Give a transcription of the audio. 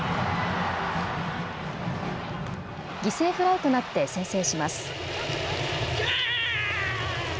犠牲フライとなって先制します。